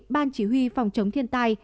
ban chỉ huy phòng chống thiên tai